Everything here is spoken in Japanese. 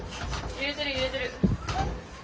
揺れてる、揺れてる。